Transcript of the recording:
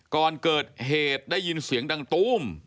ก่อนเกิดเหตุได้ยินเสียงดังตู้ม